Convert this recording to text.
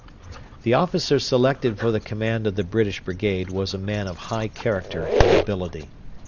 The officer selected for the command of the British brigade was a man of high character and ability.